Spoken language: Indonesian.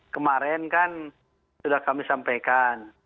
kemarin kan sudah kami sampaikan